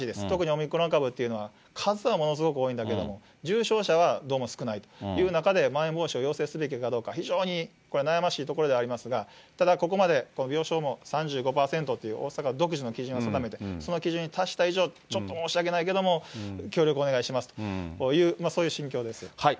特にオミクロン株というのは、数はものすごく多いんだけれども、重症者はどうも少ないという中で、まん延防止を要請するかどうか、非常にこれは悩ましいところではありますが、ただここまで病床も３５％という、大阪独自の基準を定めて、その基準に達した以上、ちょっと申し訳ないけども、協力をお願いしますという、そういう心境です。